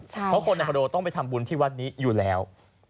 เพราะคนในคอนโดต้องไปทำบุญที่วัดนี้อยู่แล้ว